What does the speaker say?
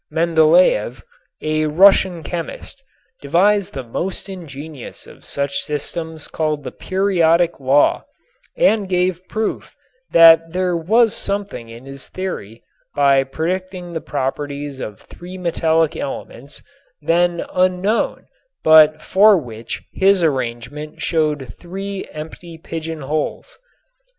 Mendeléef, a Russian chemist, devised the most ingenious of such systems called the "periodic law" and gave proof that there was something in his theory by predicting the properties of three metallic elements, then unknown but for which his arrangement showed three empty pigeon holes.